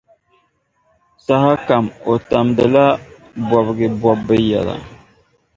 Saha kam, o tamdila bobigi bɔbbu yɛla.